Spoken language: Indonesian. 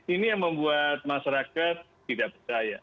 ini yang membuat masyarakat tidak percaya